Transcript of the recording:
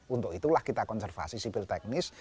untuk itulah kita konservasi sipil teknis